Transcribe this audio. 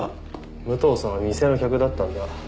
武藤さんは店の客だったんだ。